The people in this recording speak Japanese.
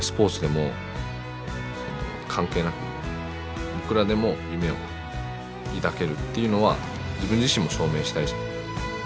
関係なく僕らでも夢を抱けるっていうのは自分自身も証明したいし。